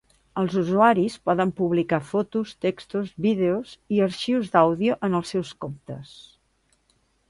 Els usuaris poden publicar fotos, textos, vídeos i arxius d'àudio en els seus comptes.